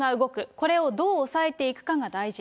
これをどう抑えていくかが大事。